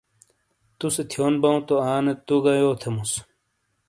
تُوسے تھیون بَؤں تو آنے تُو گہ یو تھیموس۔